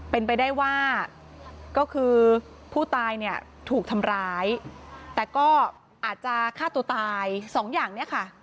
เป็นไปได้ว่าก็คือผู้ตายเนี่ยถูกทำร้ายแต่ก็อาจจะฆ่าตัวตายสองอย่างเนี่ยค่ะ